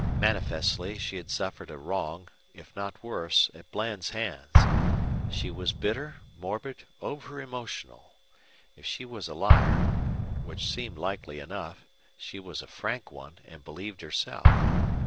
Manifestly she had suffered a wrong, if not worse, at Bland's hands. She was bitter, morbid, overemotional. If she was a liar, which seemed likely enough, she was a frank one, and believed herself.